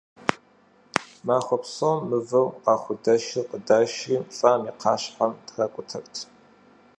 Махуэ псом мывэу къахудэшыр къыдашырти, лӀам и кхъащхьэм тракӀутэрт.